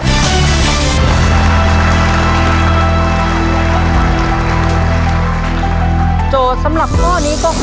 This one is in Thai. เพื่อชิงทุนต่อชีวิตสุด๑ล้านบาท